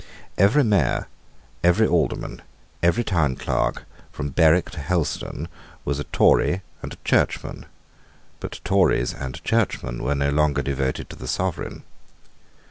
Every Mayor, every Alderman, every Town Clerk, from Berwick to Helstone, was a Tory and a Churchman: but Tories and Churchmen were now no longer devoted to the sovereign.